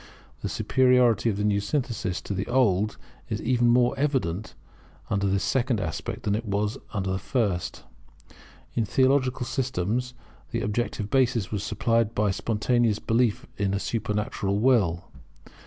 The superiority of the new synthesis to the old is even more evident under this second aspect than under the first. In theological systems the objective basis was supplied by spontaneous belief in a supernatural Will.